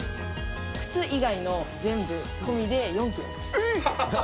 靴以外の全部込みで４キロです。